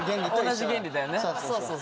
同じ原理だよね？